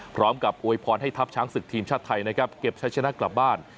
อวยพรให้ทัพช้างศึกทีมชาติไทยนะครับเก็บใช้ชนะกลับบ้าน